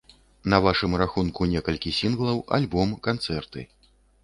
На вашым рахунку некалькі сінглаў, альбом, канцэрты.